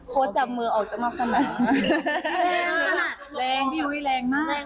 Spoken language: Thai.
โค้ดจับมือออกจังมากสักหน่อยแรงมากแรงพี่อุ๊ยแรงมาก